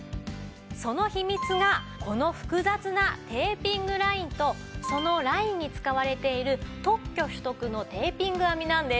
その秘密がこの複雑なテーピングラインとそのラインに使われている特許取得のテーピング編みなんです。